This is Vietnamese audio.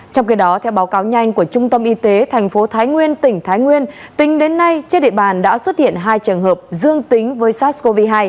trong khi đó theo báo cáo nhanh của trung tâm y tế thành phố thái nguyên tỉnh thái nguyên tính đến nay trên địa bàn đã xuất hiện hai trường hợp dương tính với sars cov hai